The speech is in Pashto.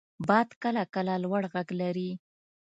• باد کله کله لوړ ږغ لري.